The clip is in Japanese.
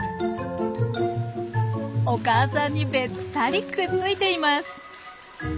お母さんにべったりくっついています。